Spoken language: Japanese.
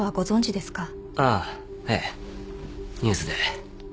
ああええニュースで。